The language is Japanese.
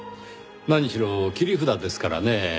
何しろ切り札ですからねぇ。